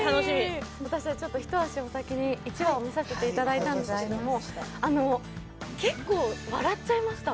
私たち、一足お先に１話を見させていただいたんですけど、結構笑っちゃいました。